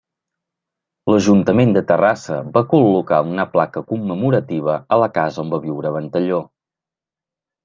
L'Ajuntament de Terrassa va col·locar una placa commemorativa a la casa on va viure Ventalló.